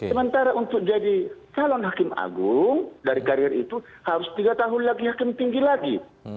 sementara untuk jadi calon hakim agung dari karir itu harus tiga tahun lagi hakim tinggi lagi